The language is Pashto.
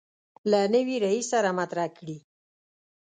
له نوي رئیس سره مطرح کړي.